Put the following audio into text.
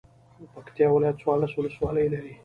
پکتيا ولايت څوارلس ولسوالۍ لري